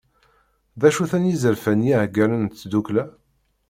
D acu-ten yizerfan n yiɛeggalen n tddukkla?